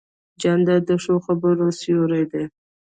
جانداد د ښو خبرو سیوری دی.